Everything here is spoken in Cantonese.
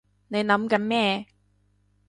你諗緊咩？